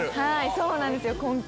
そうなんですよ今期。